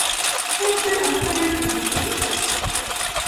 Hayk'an qankuna kankichis?